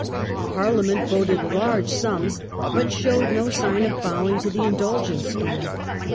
Parliament voted large sums, but showed no sign of bowing to the Indulgence scheme.